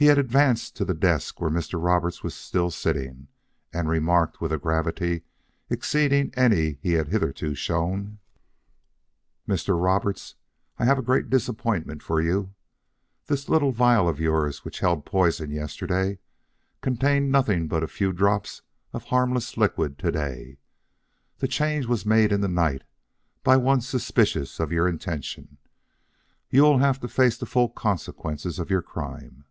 He had advanced to the desk where Mr. Roberts was still sitting, and remarked with a gravity exceeding any he had hitherto shown: "Mr. Roberts, I have a great disappointment for you. This little vial of yours which held poison yesterday contained nothing but a few drops of harmless liquid to day. The change was made in the night, by one suspicious of your intention. You will have to face the full consequences of your crime."